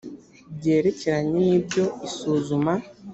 byerekeranye n ibyo isuzuma